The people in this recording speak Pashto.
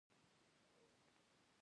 بربادي بد دی.